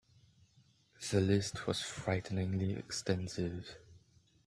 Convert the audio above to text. The list was frighteningly extensive.